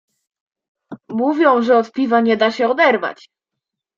"Mówią, że od piwa nie da się oderwać."